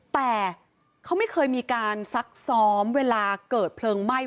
แต่เขาไม่เคยมีการซักซ้อมเวลาเกิดเพลิงไหม้